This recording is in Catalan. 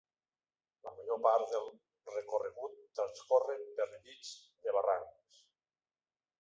La major part del recorregut transcorre per llits de barrancs.